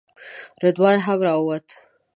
رضوان هم راووت.